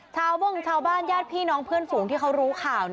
โม่งชาวบ้านญาติพี่น้องเพื่อนฝูงที่เขารู้ข่าว